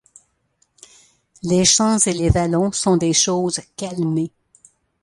Les champs et les vallons sont des choses calmées.